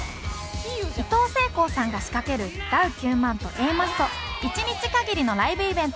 いとうせいこうさんが仕掛けるダウ９００００と Ａ マッソ１日限りのライブイベント